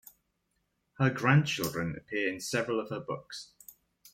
Her grandchildren appear in several of her books.